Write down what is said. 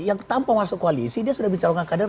yang tanpa masuk koalisi dia sudah dicalongkan kadernya